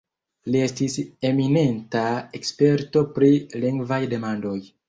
Li estis eminenta eksperto pri lingvaj demandoj.